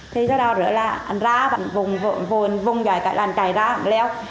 thì sau đó nữa là anh ra vùng vùng vùng vùng vùng vùng anh chạy ra anh leo